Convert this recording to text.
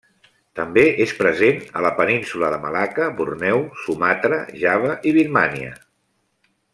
També és present a la Península de Malacca, Borneo, Sumatra, Java i Birmània.